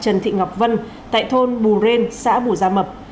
trần thị ngọc vân tại thôn bù rên xã bù gia mập